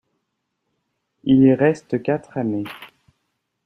Il y reste quatre années.